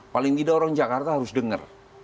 paling tidak orang jakarta harus dengar